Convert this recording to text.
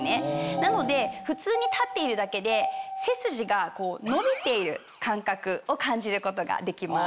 なので普通に立っているだけで背筋が伸びている感覚を感じることができます。